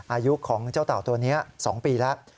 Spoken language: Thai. อายุของเจ้าเต่าตัวนี้๒ปีแล้ว